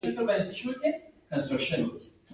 د غريبانه هوټل په پوښتنه ستړی شوم.